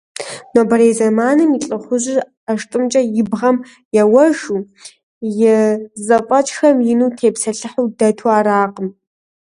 Нобэрей зэманым и лӏыхъужьыр ӏэштӏымкӏэ и бгъэм еуэжу, и зэфӏэкӏхэм ину тепсэлъыхьу дэту аракъым.